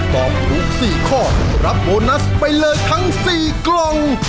ตอบถูก๔ข้อรับโบนัสไปเลยทั้ง๔กล่อง